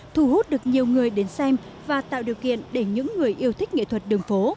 thu hút được nhiều người đến xem và tạo điều kiện để những người yêu thích nghệ thuật đường phố